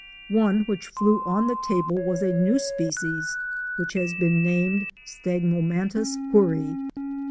One which flew on the table was a new species, which has been named Stagmomantis hoorie.